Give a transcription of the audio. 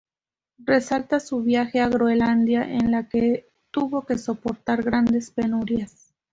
Resalta su viaje a Groenlandia, en la que tuvo que soportar grandes penurias.